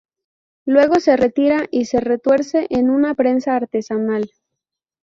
Luego se retira y se retuerce en una prensa artesanal.